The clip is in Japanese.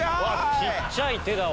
小っちゃい手だわ。